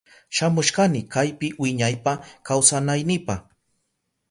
Shamushkani kaypi wiñaypa kawsanaynipa.